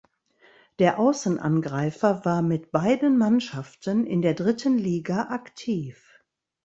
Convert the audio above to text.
Der Außenangreifer war mit beiden Mannschaften in der dritten Liga aktiv.